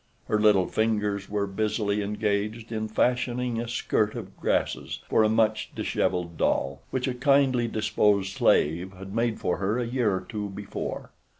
Her little fingers were busily engaged in fashioning a skirt of grasses for a much disheveled doll which a kindly disposed slave had made for her a year or two before.